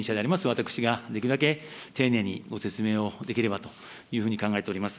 私ができるだけ丁寧にご説明をできればというふうに考えております。